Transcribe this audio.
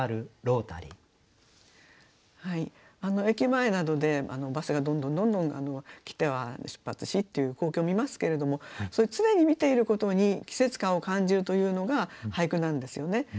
駅前などでバスがどんどんどんどん来ては出発しっていう光景を見ますけれども常に見ていることに季節感を感じるというのが俳句なんですよね。